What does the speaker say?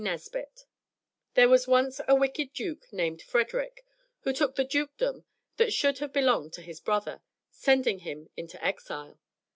Nesbit There was once a wicked duke named Frederick, who took the dukedom that should have belonged to his brother, sending him into exile.